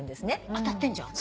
当たってんじゃん。